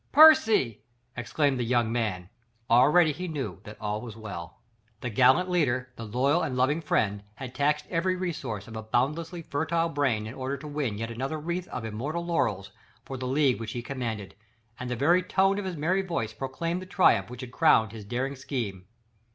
"Percy!" exclaimed the young man. Already he knew that all was well. The gallant leader, the loyal and loving friend, had taxed every resource of a boundlessly fertile brain in order to win yet another wreath of immortal laurels for the League which he commanded, and the very tone of his merry voice proclaimed the triumph which had crowned his daring scheme.